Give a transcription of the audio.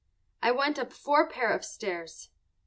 _ I went up four pair of stairs.